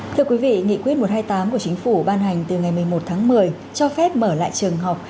thưa quý vị nghị quyết một trăm hai mươi tám của chính phủ ban hành từ ngày một mươi một tháng một mươi cho phép mở lại trường học